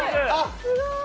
すごーい。